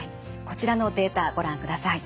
こちらのデータご覧ください。